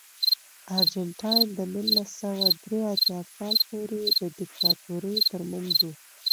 ارجنټاین د نولس سوه درې اتیا کال پورې د دیکتاتورۍ ترمنځ و.